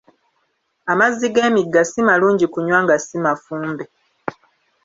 Amazzi g'emigga si malungi kunywa nga si mafumbe.